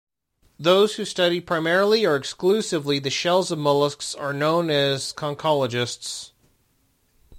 Those who study primarily or exclusively the shells of mollusks are known as conchologists.